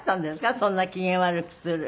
そんな機嫌悪くする。